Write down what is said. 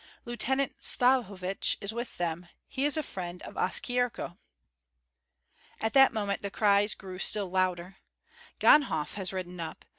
Lieutenant Stahovich is with them; he is a friend of Oskyerko." At that moment the cries grew still louder. "Ganhoff has ridden up.